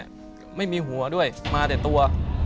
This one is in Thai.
เขามาเนี่ยไม่มีหัวด้วยมาแต่ตัว